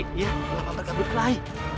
kenapa mereka berkelahi